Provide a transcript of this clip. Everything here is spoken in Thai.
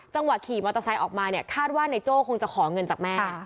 ขี่มอเตอร์ไซค์ออกมาเนี่ยคาดว่านายโจ้คงจะขอเงินจากแม่